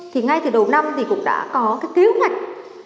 thì ngay từ đầu năm thì cũng đã có cái kế hoạch